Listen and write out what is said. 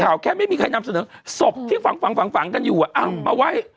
ข่าวแค่ไม่มีใครนำเสนอศพที่ฝั่งกันอยู่เอ้ามาไว้